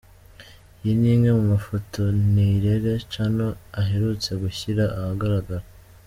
yi ni imwe mu mafoto Nirere Shannel aherutse gushyira ahagaragara.